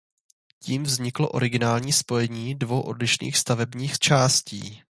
Tím vzniklo originální spojení dvou odlišných stavebních částí.